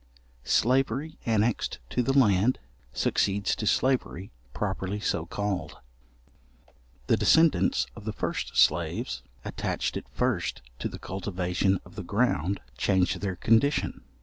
Slavery annexed to the land, succeeds to slavery properly so called. The descendants of the first slaves, attached at first to the cultivation of the ground, change their condition.